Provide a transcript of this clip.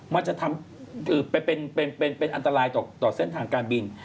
มันจะทำเป็นอันตรายต่อเส้นทางการบิน